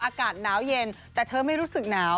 อากาศหนาวเย็นแต่เธอไม่รู้สึกหนาว